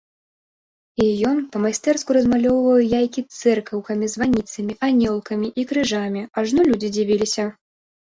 І ён па-майстэрску размалёўваў яйкі цэркаўкамі, званіцамі, анёлкамі і крыжамі, ажно людзі дзівіліся.